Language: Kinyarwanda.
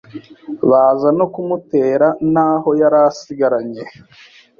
Baza no kumutera n'aho yari asigaranye